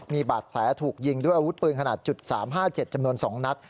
มีบาดแผลถูกยิงด้วยอาวุธปืนขนาด๓๕๗จำนวน๒นัด